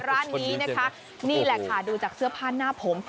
ร้านนี้นะคะนี่แหละค่ะดูจากเสื้อผ้าหน้าผม